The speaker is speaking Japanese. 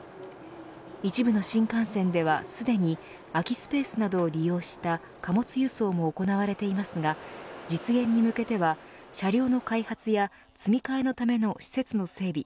一部の新幹線ではすでに空きスペースなどを利用した貨物輸送も行われていますが実現に向けては車両の開発や積み替えのための施設の整備